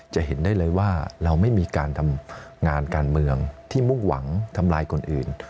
จะเห็นได้เลยว่าเราไม่มีการทำงานการเมืองที่มุ่งหวังทำลายคนอื่น